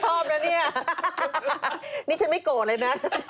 โถคุณสมบัติต้นนี่เดี๋ยวรับหมดใช่ไหมครับ